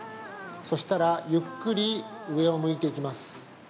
そしたら、ゆっくり上を向いていきます。